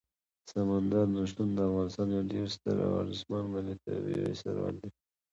سمندر نه شتون د افغانستان یو ډېر ستر او ارزښتمن ملي طبعي ثروت دی.